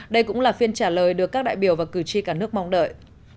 đây cũng là phiên trả lời được các đại biểu và cử tri cả nước mong đợi